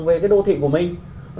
về cái đô thị của mình